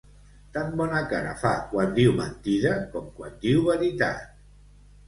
Tan bona cara fa quan diu mentida com quan diu veritat.